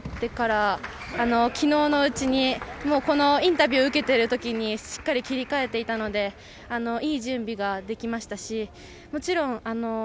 金メダルを取ってから、昨日のうちにこのインタビューを受けてる時にしっかりと切り替えていたので、いい準備ができました。